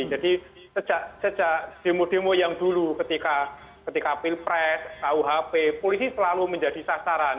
jadi sejak demo demo yang dulu ketika pilpres auhp polisi selalu menjadi sasaran